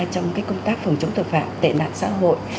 trong công tác phòng chống tội phạm tệ nạn xã hội